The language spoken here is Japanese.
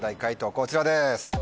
こちらです。